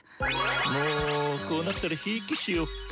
もこうなったらひいきしよっか？